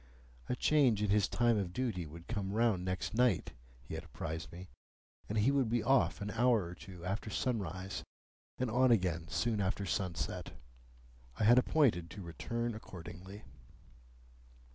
A change in his time of duty would come round next night, he had apprised me, and he would be off an hour or two after sunrise, and on again soon after sunset. I had appointed to return accordingly.